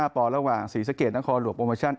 ปอระหว่างศรีสะเกดนครหลวงโปรโมชั่น